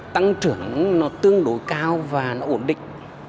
tăng trưởng nó tương đối cao và nó ổn định